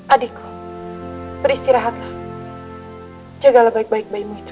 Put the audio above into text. adikku beristirahatlah jagalah baik baik bayimu itu